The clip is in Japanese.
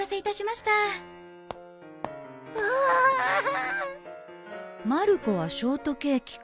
まる子はショートケーキか